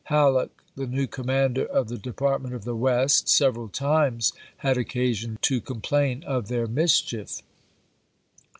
Halleck, the new commander of the De partment of the West, several times had occasion to complain of their mischief.